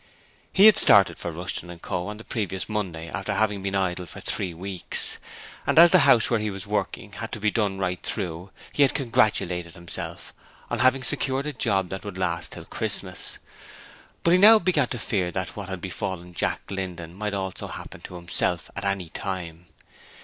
He had started for Rushton & Co. on the previous Monday after having been idle for three weeks, and as the house where he was working had to be done right through he had congratulated himself on having secured a job that would last till Christmas; but he now began to fear that what had befallen Jack Linden might also happen to himself at any time.